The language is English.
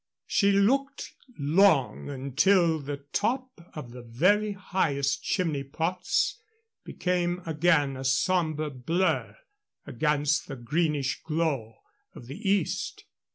She looked long until the top of the very highest chimney pots became again a somber blur against the greenish glow of the east.